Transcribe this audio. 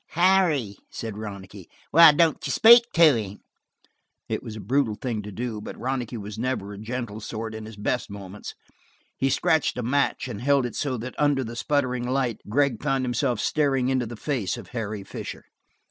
"Harry," said Ronicky, "why don't you speak to him?" It was a brutal thing to do, but Ronicky was never a gentle sort in his best moments; he scratched a match and held it so that under the spluttering light Gregg found himself staring into the face of Harry Fisher.